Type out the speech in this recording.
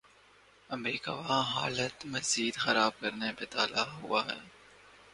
امریکہ وہاں حالات مزید خراب کرنے پہ تلا ہوا ہے۔